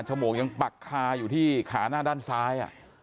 มวกยังปักคาอยู่ที่ขาหน้าด้านซ้าย